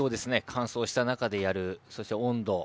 乾燥した中でやる、そして温度。